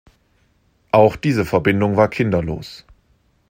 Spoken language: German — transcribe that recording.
Auch diese Verbindung war kinderlos.